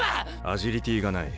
アジリティーがない。